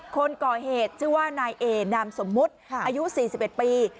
คนก่อเหตุชื่อว่านายเอนามสมมุติอายุ๔๑ปี